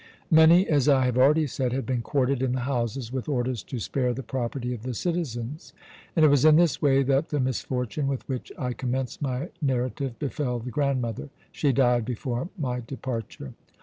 "Many, as I have already said, had been quartered in the houses, with orders to spare the property of the citizens; and it was in this way that the misfortune with which I commenced my narrative befell the grandmother. She died before my departure.